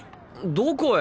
どこへ？